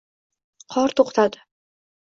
Qor to’ xtadi